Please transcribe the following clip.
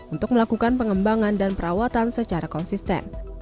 untuk melakukan pengembangan dan perawatan secara konsisten